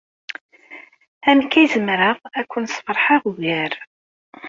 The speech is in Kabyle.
Amek ay zemreɣ ad ken-sfeṛḥeɣ ugar?